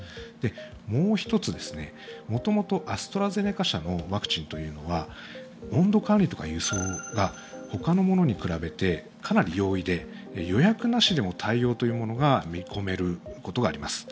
もう１つもともとアストラゼネカ社のワクチンというのは温度管理とか輸送が他のものに比べてかなり容易で予約なしでも対応というものが見込めることがあります。